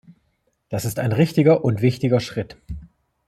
Das ist ein richtiger und wichtiger Schritt.